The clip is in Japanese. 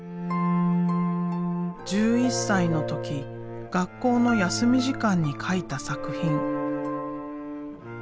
１１歳の時学校の休み時間に描いた作品。